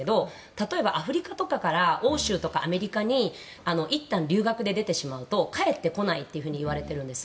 例えばアフリカとかから欧州とかアメリカにいったん留学で出てしまうと帰ってこないといわれているんです。